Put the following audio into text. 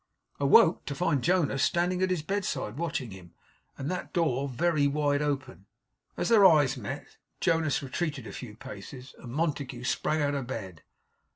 Awoke to find Jonas standing at his bedside watching him. And that very door wide open. As their eyes met, Jonas retreated a few paces, and Montague sprang out of bed.